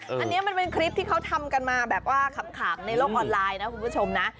อันนี้มันเป็นคลิปที่เขาทำกันมาแบบว่าขำในโลกออนไลน์นะคุณผู้ชมนะ